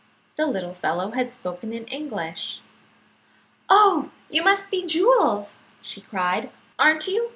The little fellow had spoken in English. "Oh, you must be Jules," she cried. "Aren't you?